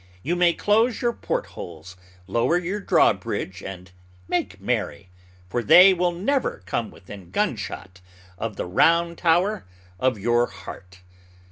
You may close your port holes, lower your drawbridge, and make merry, for they will never come within gunshot of the "round tower of your heart."